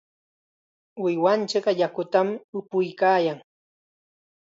Uywanchikqa yakutam upuykaayan.